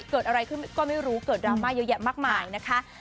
เกิดอะไรขึ้นก็ไม่รู้เกิดดราม่าเยอะแยะมากมายนะคะ